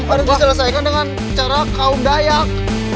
harus diselesaikan dengan cara kaum dayak